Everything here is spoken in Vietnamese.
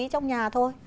trong nhà thôi